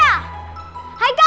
udah pulang iki kesama